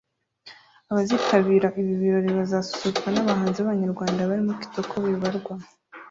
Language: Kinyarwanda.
Abazitabira ibi birori bazasusurutswa n’abahanzi b’Abanyarwanda barimo Kitoko Bibarwa